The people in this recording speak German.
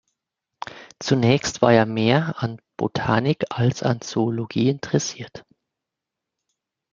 Zunächst war er mehr an Botanik als an Zoologie interessiert.